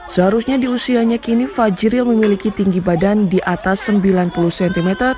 seharusnya di usianya kini fajril memiliki tinggi badan di atas sembilan puluh cm